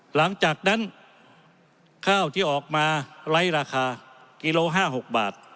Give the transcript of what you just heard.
หลังจากนั้นข้าวที่ออกมาไร้ราคากิโล๕๖บาท